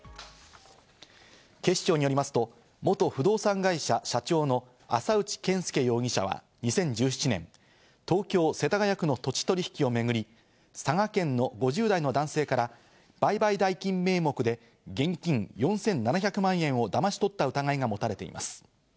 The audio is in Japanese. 警視庁によりますと元不動産会社社長の浅内賢輔容疑者は２０１７年、東京・世田谷区の土地取引をめぐり、佐賀県の５０代の男性から売買代金名目で現金４７００万円をだまし取った疑いが持たれています。